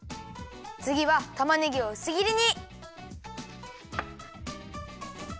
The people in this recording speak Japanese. つぎはたまねぎをうすぎりに。